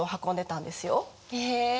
へえ。